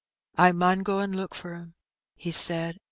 '' I mun go an' look for 'em," he said.